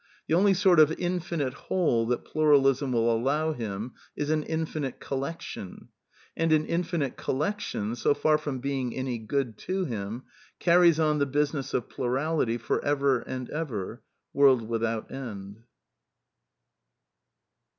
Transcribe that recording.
The only sort of infinite whole that Pluralism will allow him is an ,V^nfinite collection; and an infinite collection, so far from being any good to him, carries on the business of plurality for ever and ever, world without end.